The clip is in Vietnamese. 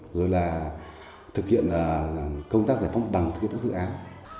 rồi là thực hiện công tác giải phóng mặt bằng thực hiện các dự án